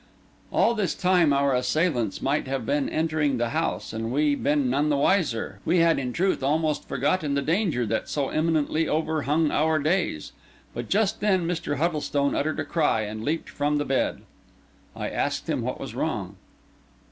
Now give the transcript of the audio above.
All this time our assailants might have been entering the house, and we been none the wiser; we had in truth almost forgotten the danger that so imminently overhung our days. But just then Mr. Huddlestone uttered a cry, and leaped from the bed. I asked him what was wrong.